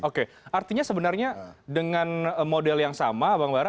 oke artinya sebenarnya dengan model yang sama bang bara